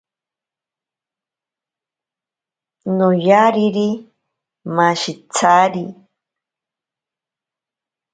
Noyariri mashitsari.